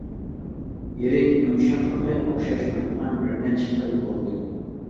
يىرىك-يۇمشاقلىقى ئوخشاشمايدىغان بىر نەچچە خىل بولىدۇ.